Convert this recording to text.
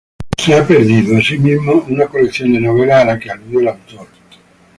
Se ha perdido, asimismo, una colección de novelas a la que aludió el autor.